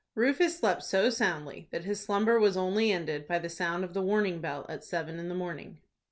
Rufus slept so soundly, that his slumber was only ended by the sound of the warning bell, at seven in the morning.